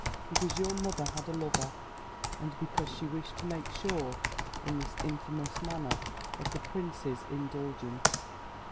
Because your mother had a lover, and because she wished to make sure, in this infamous manner, of the prince's indulgence."